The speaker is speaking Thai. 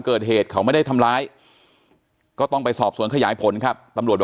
เกิดเหตุเขาไม่ได้ทำร้ายก็ต้องไปสอบสวนขยายผลครับตำรวจ